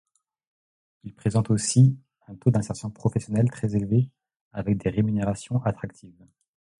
Il présente aussi un taux d'insertion professionnelle très élevé avec des rémunérations attractives.